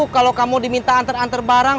kalau kamu diminta antar antar barang